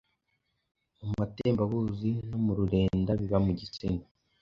mu matembabuzi no mu rurenda biba mu gitsina,